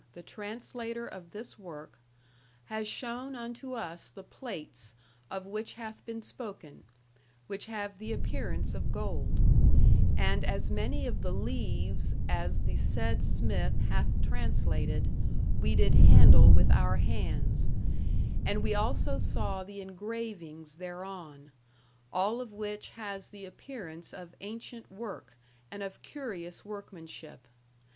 the translator of this work, has shewn unto us the plates of which hath been spoken, which have the appearance of gold; and as many of the leaves as the said Smith hath translated, we did handle with our hands; and we also saw the engravings there on, all of which has the appearance of ancient work and of curious workmanship.